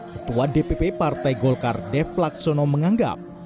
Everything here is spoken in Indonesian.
ketua dpp partai golkar def plaksono menganggap